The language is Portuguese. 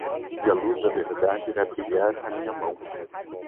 E a luz da verdade irá brilhar na minha mão